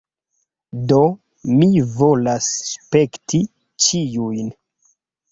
Do, mi volas spekti ĉiujn